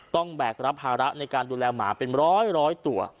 แบกรับภาระในการดูแลหมาเป็นร้อยตัว